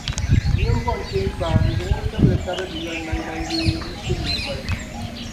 nyin’ bom’ peeŋkpaa n-zaŋ o tibili tabili dunoli naŋgbanyee n-chib’ li voli.